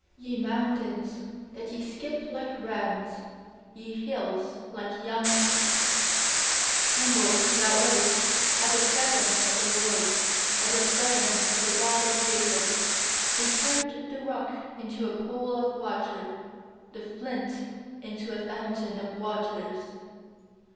6Ye mountains, that ye skip like rams , Ye hills, like young sheep? 7Tremble, thou earth, at the pres ence of the Lord, At the presence of the God of Jacob ; 8Who turned the rock into a pool of water, The flint into a fountain of waters.